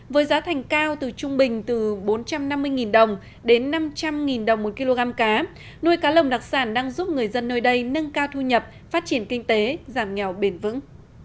với giá thành cao từ trung bình từ bốn trăm năm mươi đồng đến năm trăm linh đồng một kg cá nuôi cá lồng đặc sản đang giúp người dân nơi đây nâng cao thu nhập phát triển kinh tế giảm nghèo bền vững